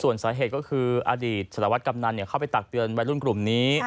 ส่วนสาเหตุก็คืออดีตสารวัตรกำนันเข้าไปตักเตือนวัยรุ่นกลุ่มนี้